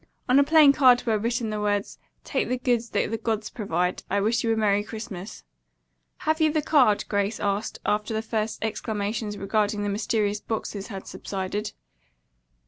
On a plain card were written the words, "'Take the goods the gods provide.' I Wish you a Merry Christmas." "Have you the card?" Grace asked, after the first exclamations regarding the mysterious boxes had subsided.